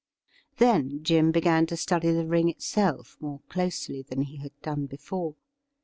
Then Jim began to study the ring itself more closely than he had done before.